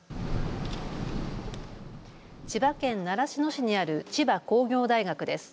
千葉県習志野市にある千葉工業大学です。